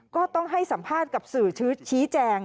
ก็ต้องให้สัมภาษณ์กับสื่อชี้แจง